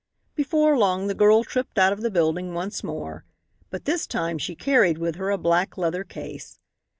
Before long the girl tripped out of the building once more. But this time she carried with her a black leather case.